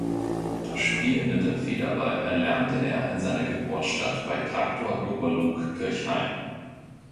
Das Spiel mit dem Federball erlernte er in seiner Geburtsstadt bei Traktor Doberlug-Kirchhain.